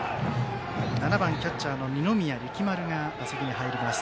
７番キャッチャー二宮力丸が打席に入ります。